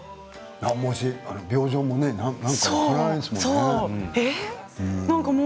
病状も何か分からないですもんね。